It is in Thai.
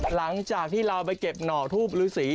หลังจากที่เราไปเก็บหน่อทูปฤษี